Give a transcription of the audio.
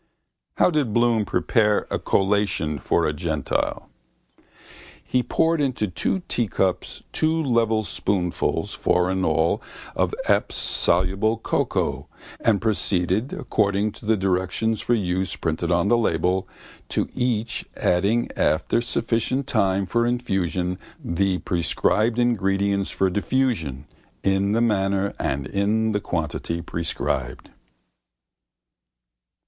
How did Bloom prepare a collation for a gentile? He poured into two teacups two level spoonfuls, four in all, of Epps's soluble cocoa and proceeded according to the directions for use printed on the label, to each adding after sufficient time for infusion the prescribed ingredients for diffusion in the manner and in the quantity prescribed.